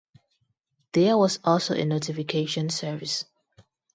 There was also a notification service.